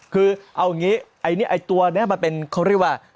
คือเอาอย่างนี้ไอ้ตัวนี้มันเป็นเขาเรียกว่า